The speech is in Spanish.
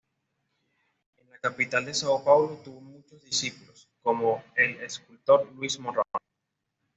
En la capital de Sao Paulo tuvo muchos discípulos, como el escultor Luis Morrone.